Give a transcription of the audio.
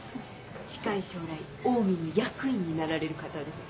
近い将来オウミの役員になられる方です。